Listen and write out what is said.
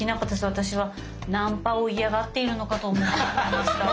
私はナンパを嫌がっているのかと思ってました。